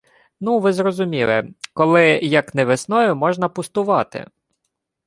Ну ви зрозуміли: коли, як не весною, можна пустувати?